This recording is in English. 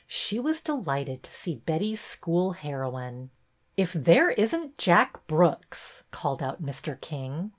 She was delighted to see Betty's school heroine. '' If there is n't Jack Brooks !" called out Mr. King.